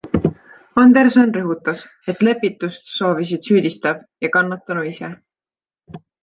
Anderson rõhutas, et lepitust soovisid süüdistatav ja kannatanu ise.